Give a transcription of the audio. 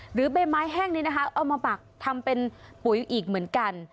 หรือใบไม้แห้งนี้นะคะเอามาหมักทำเป็นปุ๋ยอีกเหมือนกัน